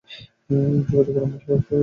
যোগজীকরণ বলতে কী বোঝায়?